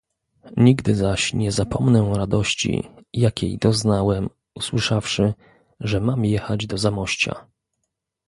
"Nigdy zaś nie zapomnę radości, jakiej doznałem, usłyszawszy, że mam jechać do Zamościa."